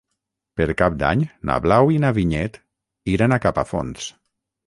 Per Cap d'Any na Blau i na Vinyet iran a Capafonts.